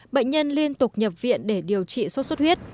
bệnh nhân liên tục nhập viện để điều trị sốt xuất huyết